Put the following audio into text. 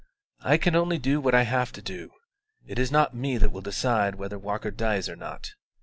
"I can only do what I have to do: it is not me that will decide whether Walker dies or not.